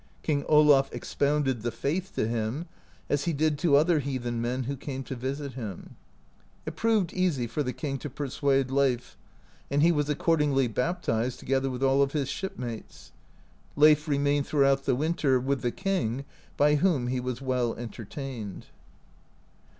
King Olaf expounded the faith to him, as he did to other heathen men who came to visit him. It proved easy for the king to per suade Leif, and he was accordingly baptized, together with all of his shipmates. Leif remained throughout the winter with the king, by whom he was well entertained.